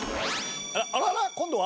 あらあら？今度は？